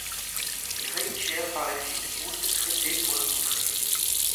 Ils rédigèrent par la suite moult traités pour le contrer.